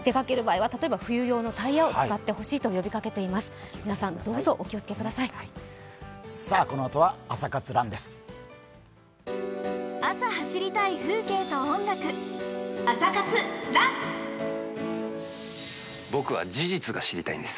このあとは「朝活ＲＵＮ」です。